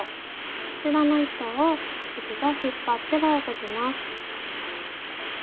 こちらの糸を一度引っ張って輪を閉じます。